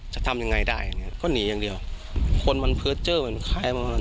จะทำยังไงได้ก็หนีอย่างเดียวคนมันเผื้อเจ้อเหมือนคลาย